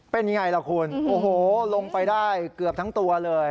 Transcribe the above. เป็นยังไงล่ะคุณโอ้โหลงไปได้เกือบทั้งตัวเลย